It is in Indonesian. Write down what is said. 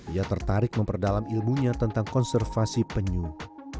ia tertarik memperdalam ilmunya tentang konservasi penyuh